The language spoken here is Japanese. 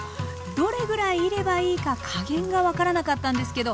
どれぐらいいればいいか加減が分からなかったんですけど